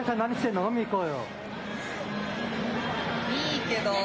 飲いいけど。